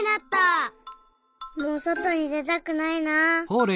もうそとにでたくないな。